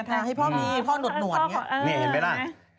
ทาให้พ่อมีพ่อหนวดอย่างนี้